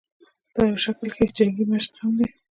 دا يو شکل کښې جنګي مشق هم دے